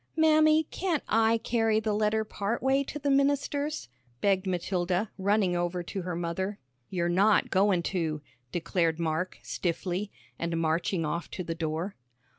"Mammy, can't I carry the letter part way to the minister's?" begged Matilda, running over to her mother. "You're not goin' to," declared Mark, stiffly, and marching off to the door.